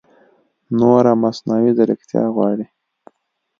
نوره مصنعوي ځېرکتیا غواړي